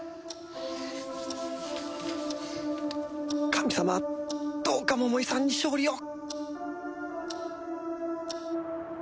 神様どうか桃井さんに勝利を！